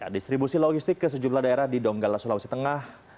distribusi logistik ke sejumlah daerah di donggala sulawesi tengah